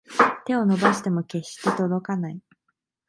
手を伸ばしても決して届かない